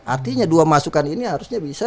artinya dua masukan ini harusnya bisa